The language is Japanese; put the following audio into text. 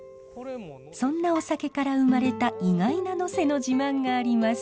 そんなお酒から生まれた意外な能勢の自慢があります。